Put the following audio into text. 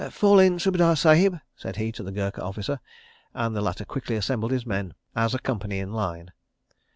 "Fall in, Subedar Sahib," said he to the Gurkha officer, and the latter quickly assembled his men as a company in line.